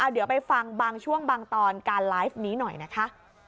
เดี๋ยวไปฟังบางช่วงบางตอนการไลฟ์นี้หน่อยนะคะ